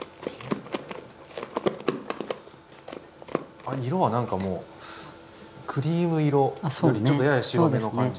あ色は何かもうクリーム色よりちょっとやや白めの感じで。